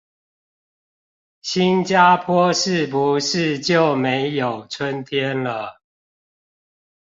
新加坡是不是就沒有春天了